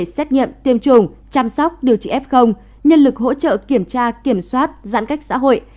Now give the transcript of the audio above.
xét nghiệm tiêm chủng chăm sóc điều trị f nhân lực hỗ trợ kiểm tra kiểm soát giãn cách xã hội